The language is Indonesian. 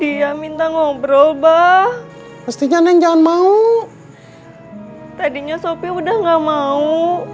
dia minta ngobrol bahwa mestinya neng jangan mau tadinya sopi udah nggak mau